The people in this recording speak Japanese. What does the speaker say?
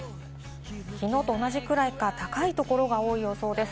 きのうと同じくらいか高いところが多い予想です。